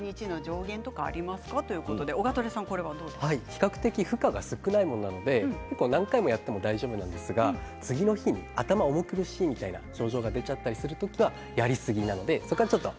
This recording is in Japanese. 比較的負荷が少ないものなので何回もやっても大丈夫なんですが次の日に頭が重苦しいみたいな症状が出ちゃったりする時はやりすぎなのでちょっと